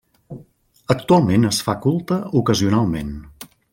Actualment es fa culte ocasionalment.